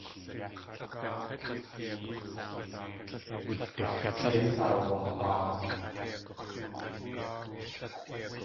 Yéi asaawahaa.